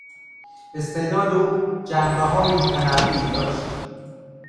استعداد او جنبههای متنوعی داشت.